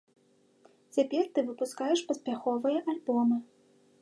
Цяпер ты выпускаеш паспяховыя альбомы.